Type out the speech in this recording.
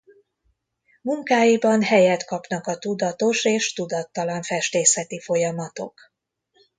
Munkáiban helyet kapnak a tudatos és tudattalan festészeti folyamatok.